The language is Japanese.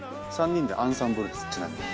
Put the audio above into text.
３人でアンサンブルですちなみに。